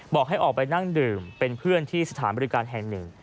บอกให้ออกไปนั่งดื่มเป็นเพื่อนที่สถานบริการแห่งหนึ่ง